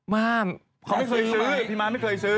มากเขาไม่เคยซื้อพี่ม้าไม่เคยซื้อ